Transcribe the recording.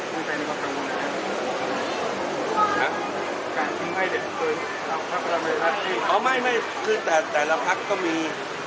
การทิ้งไทยเด็ดเกินอ๋อไม่ไม่คือแต่แต่ละพักก็มี